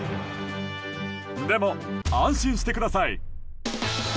でも安心してください。